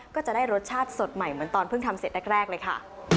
ก็จะได้รสชาติสดใหม่เหมือนตอนเพิ่งทำเสร็จแรกเลยค่ะ